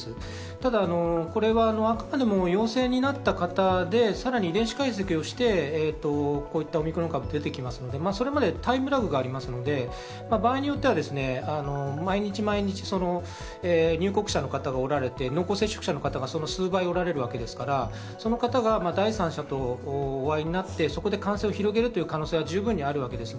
ただ、あくまでも陽性になった方で遺伝子解析をして、こういったオミクロン株でてきますので、タイムラグはありますので、場合によっては毎日、入国者の方がおられて濃厚接触者の方が数倍おられるわけですから、その方が第三者とお会いになってそこで感染を広げる可能性は十分にあるわけです。